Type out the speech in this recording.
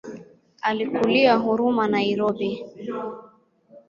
Alikulia Huruma Nairobi.